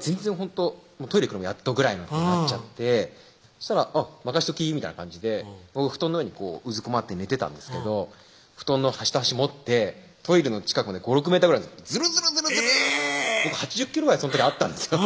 全然ほんとトイレ行くのもやっとぐらいになっちゃってそしたら「任しとき」みたいな感じで僕布団の上にうずくまって寝てたんですけど布団の端と端持ってトイレの近くまで５６ｍぐらいずるずるずるずる僕８０ｋｇぐらいその時あったんですよ